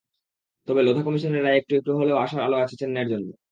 তবে লোধা কমিশনের রায়ে একটু হলেও আশার আলো আছে চেন্নাইয়ের জন্য।